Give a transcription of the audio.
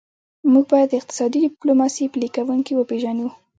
موږ باید د اقتصادي ډیپلوماسي پلي کوونکي وپېژنو